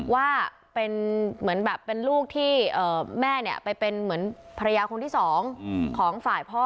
ว่าเป็นเหมือนแบบเป็นลูกที่แม่ไปเป็นเหมือนภรรยาคนที่สองของฝ่ายพ่อ